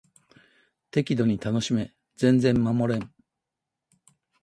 適度に楽しめ全然守れん